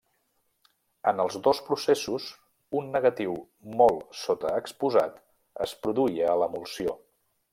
En els dos processos, un negatiu molt sota exposat es produïa a l’emulsió.